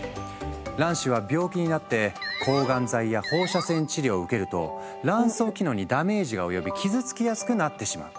卵子は病気になって抗がん剤や放射線治療を受けると卵巣機能にダメージが及び傷つきやすくなってしまう。